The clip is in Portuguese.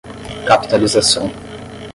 capitalização